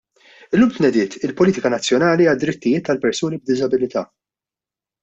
Illum tnediet il-Politika Nazzjonali għad-Drittijiet tal-Persuni b'Diżabilità.